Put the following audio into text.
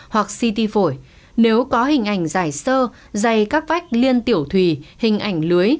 hoặc ct phổi nếu có hình ảnh dài sơ dày các vách liên tiểu thùy hình ảnh lưới